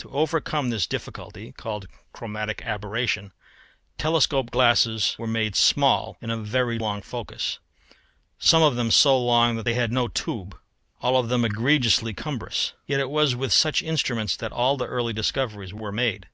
To overcome this difficulty (called chromatic aberration) telescope glasses were made small and of very long focus: some of them so long that they had no tube, all of them egregiously cumbrous. Yet it was with such instruments that all the early discoveries were made.